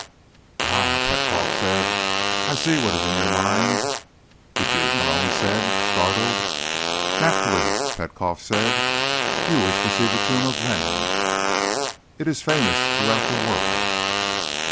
"Aha," Petkoff said. "I see what is in your mind." "You do?" Malone said, startled. "Naturally," Petkoff said. "You wish to see the tomb of Lenin. It is famous throughout the world."